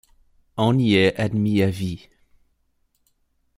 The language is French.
On y est admis à vie.